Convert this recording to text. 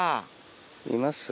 います？